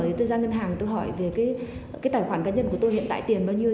tôi ra ngân hàng tôi hỏi về cái tài khoản cá nhân của tôi hiện tại tiền bao nhiêu